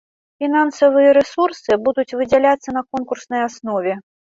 Фінансавыя рэсурсы будуць выдзяляцца на конкурснай аснове.